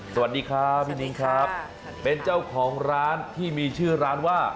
สวัสดีครับพี่นิ้งครับเป็นเจ้าของร้านที่มีชื่อร้านว่า